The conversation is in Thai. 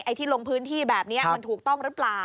ที่ลงพื้นที่แบบนี้มันถูกต้องหรือเปล่า